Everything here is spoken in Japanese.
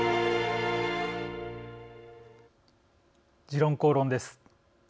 「時論公論」です。